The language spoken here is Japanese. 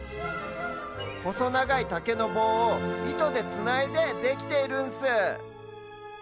ほそながいたけのぼうをいとでつないでできているんス。